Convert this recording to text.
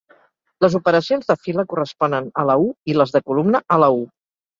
Les operacions de fila corresponen a la "U" i les de columna, a la "U".